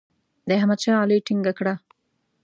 د احمد شا علي ټینګه کړه.